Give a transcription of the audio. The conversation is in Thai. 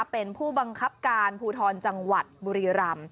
เป็นผู้บังคับการภูทรจังหวัดบุรีรำ